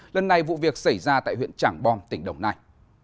lần này vụ việc xảy ra tại huyện trảng bom tỉnh đồng nai